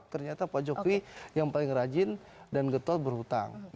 ternyata pak jokowi yang paling rajin dan getot berhutang